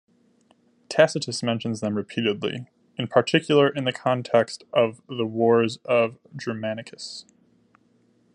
Tacitus mentions them repeatedly, in particular in the context of the wars of Germanicus.